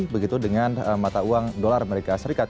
begitu dengan mata uang dolar amerika serikat